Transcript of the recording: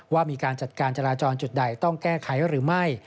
ว่ามีการจัดการจราจรจุดใดต้องแก้ไขหรือไม่